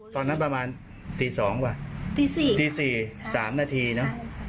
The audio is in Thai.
ตอนนั้นประมาณตีสองป่ะตีสี่สามนาทีนะ